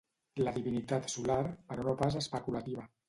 La divinitat solar, però no pas especulativa.